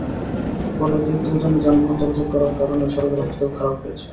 ফলে অতিরিক্ত ওজনের যানবাহন চলাচল করার কারণেও সড়কের অবস্থা খারাপ হয়েছে।